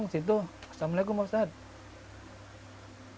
disitu assalamualaikum pak ustadz